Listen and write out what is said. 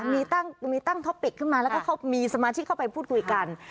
มีตั้งท็อปปิกขึ้นมาแล้วก็มีสมาชิกเข้าไปพูดคุยกัน